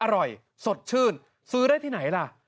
อร่อยสดชื่นซื้อได้ที่ไหนล่ะ